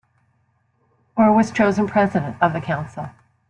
Orr was chosen President of the Council.